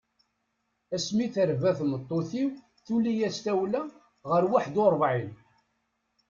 Ass mi terba tmeṭṭut-iw tuli-as tawla ɣer waḥed u ṛebɛin.